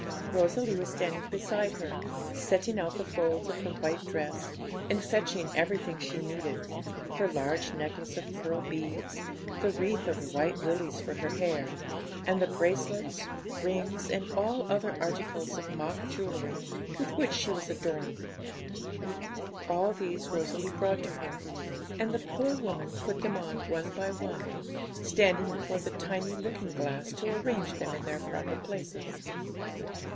Rosalie was standing beside her, setting out the folds of her white dress, and fetching everything she needed; her large necklace of pearl beads, the wreath of white lilies for her hair, and the bracelets, rings, and other articles of mock jewellery with which she was adorned. All these Rosalie brought to her, and the poor woman put them on one by one, standing before the tiny looking glass to arrange them in their proper places.